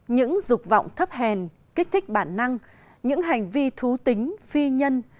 những dục vọng thấp hèn kích thích bản năng những hành vi thú tính phi nhân